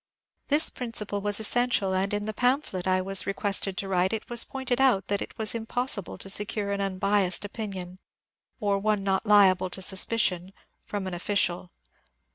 This principle was essential, and in the pamphlet I was requested to write it was pointed out that it was impos sible to secure an unbiased opinion — or one not liable to sus picion — from an official.